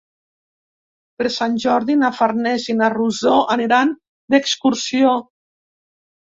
Per Sant Jordi na Farners i na Rosó aniran d'excursió.